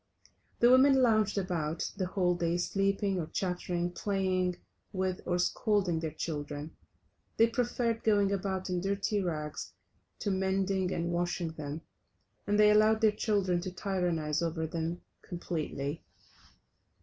The women lounged about the whole day sleeping or chattering, playing with, or scolding the children. They preferred going about in dirty rags to mending and washing them, and they allowed their children to tyrannize over them completely.